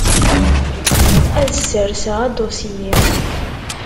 Ad sserseɣ adusyi.